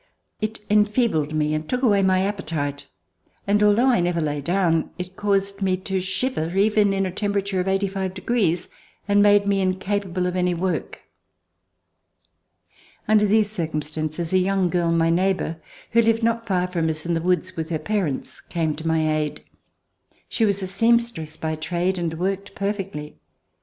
It enfeebled me and took away my appetite, and, although I never lay down, it caused me to shiver even in a temperature of eighty five degrees, and made me incapable of any work. Under these circumstances, a young girl, my neighbor, who lived not far from us in the woods with her parents, came to my aid. She was a seamstress by trade and worked perfectly.